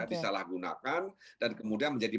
disalahgunakan dan kemudian menjadi